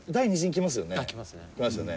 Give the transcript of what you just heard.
きますよね。